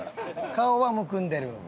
顔はむくんでる。